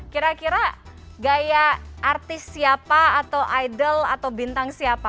kira kira gaya artis siapa atau idol atau bintang siapa